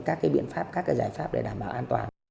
các cái biện pháp các cái giải pháp để đảm bảo an toàn